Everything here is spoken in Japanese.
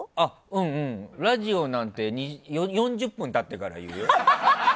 ラジオなんて４０分経ってから言うよ。